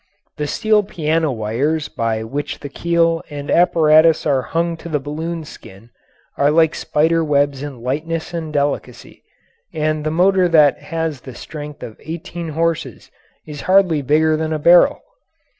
The steel piano wires by which the keel and apparatus are hung to the balloon skin are like spider webs in lightness and delicacy, and the motor that has the strength of eighteen horses is hardly bigger than a barrel.